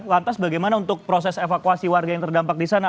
lantas bagaimana untuk proses evakuasi warga yang terdampak di sana